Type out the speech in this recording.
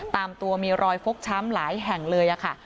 ตามตัวมีรอยฟกช้ำหลายแห่งเลยค่ะ